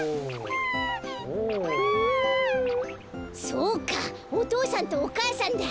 そうかおとうさんとおかあさんだ。